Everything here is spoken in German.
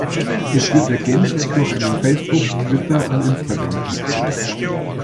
Es wird ergänzt durch einen Facebook-, Twitter- und Instagram-Auftritt.